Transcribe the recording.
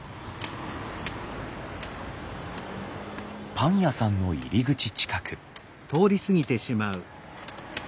パン屋さんの入り口近く。